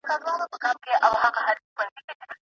دا څلرم دئ.